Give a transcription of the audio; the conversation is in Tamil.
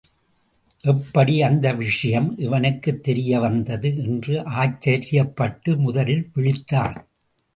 எப்படி, அந்த விஷயம் இவனுக்குத் தெரியவந்தது என்று ஆச்சரியப்பட்டு முதலில் விழித்தான்.